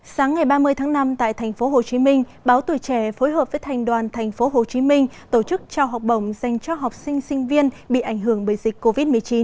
sáng ngày ba mươi tháng năm tại tp hcm báo tuổi trẻ phối hợp với thành đoàn tp hcm tổ chức trao học bổng dành cho học sinh sinh viên bị ảnh hưởng bởi dịch covid một mươi chín